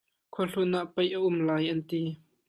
Khuahlun ah paih a um lai an ti.